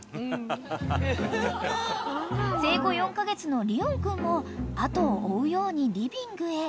［生後４カ月のリオン君も後を追うようにリビングへ］